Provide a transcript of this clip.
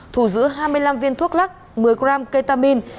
thù giữ hai mươi năm viên thuốc lắc một mươi gram ketamine